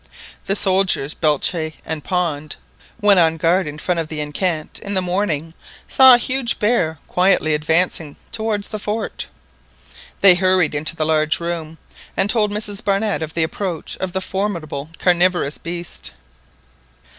The soldiers Belcher and Pond, when on guard in front of the enceinte in the morning, saw a huge bear quietly advancing towards the fort. They hurried into the large room, and told Mrs Barnett of the approach of the formidable carnivorous beast.